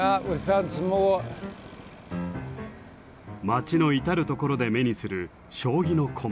町の至る所で目にする「将棋」の駒。